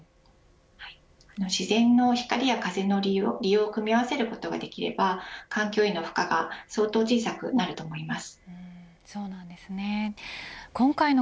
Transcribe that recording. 自然の光や風の利用を組み合わせることができれば環境への負荷が相当小さくなると思います。